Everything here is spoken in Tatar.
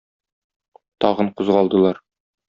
Тагын кузгалдылар.